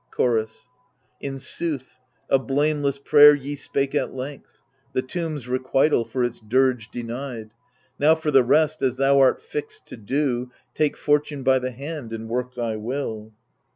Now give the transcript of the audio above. Chorus In sooth, a blameless prayer ye spake at length — The tomb's requital for its dirge denied : Now, for the rest, as thou art fixed to do. Take fortune by the hand and work thy will.